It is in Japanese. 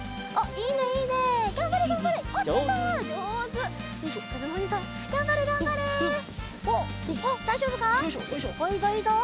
いいぞいいぞ！